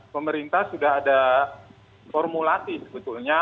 pemerintah sudah ada formulasi sebetulnya